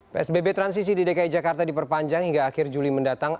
psbb transisi di dki jakarta diperpanjang hingga akhir juli mendatang